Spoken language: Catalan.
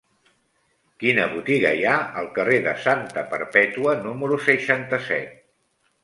Quina botiga hi ha al carrer de Santa Perpètua número seixanta-set?